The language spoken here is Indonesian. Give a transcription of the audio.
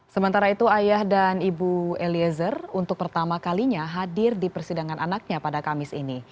sementara itu ayah dan ibu eliezer untuk pertama kalinya hadir di persidangan anaknya pada kamis ini